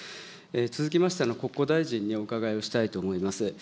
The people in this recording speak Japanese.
続きまして、国交大臣にお伺いをしたいと思います。